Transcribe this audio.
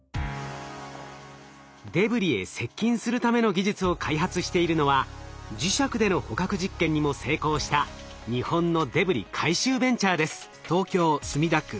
デブリへ接近するための技術を開発しているのは磁石での捕獲実験にも成功した日本のデブリ回収ベンチャーです。